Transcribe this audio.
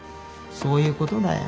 そういうことだよ。